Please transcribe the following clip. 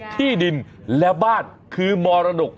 ที่ดินและบ้านคือมรดก